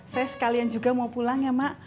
saya sekalian juga mau pulang ya mak